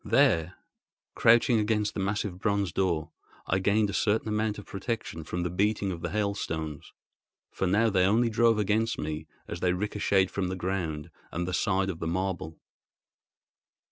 There, crouching against the massive bronze door, I gained a certain amount of protection from the beating of the hailstones, for now they only drove against me as they ricocheted from the ground and the side of the marble.